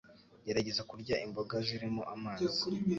Gerageza kurya imboga zirimo amazi